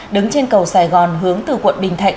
đứng trên cầu sài gòn hướng từ quận bình thạnh